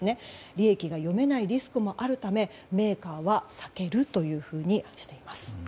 利益が読めないリスクもあるためメーカーは避けるというふうに話しています。